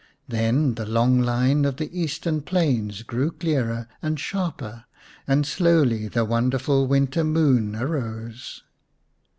Then the long line of the eastern plains grew clearer and sharper, and slowly the wonderful winter moon arose.